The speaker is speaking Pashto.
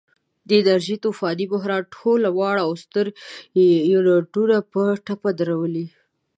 د انرژۍ طوفاني بحران ټول واړه او ستر یونټونه په ټپه درولي.